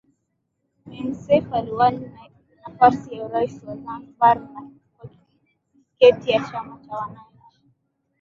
Maim Seif aliwani nafasi ya urais wa Zanzibar kwa tiketi ya Chama cha Wananchi